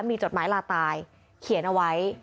มีจดหมายลาตายเขียนเอาไว้